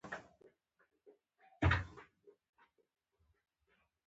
خو له کراول سره بیا داسې نه وو.